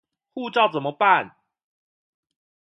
護照怎麼辦